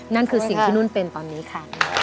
นั่นคือสิ่งที่นุ่นเป็นตอนนี้ค่ะ